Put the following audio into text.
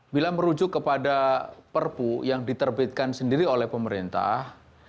bila merujuk kepada perpu yang diterbitkan sendiri oleh pemerintah